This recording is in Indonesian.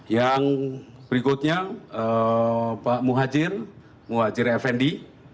yang berikutnya pak muhajir muhajir effendi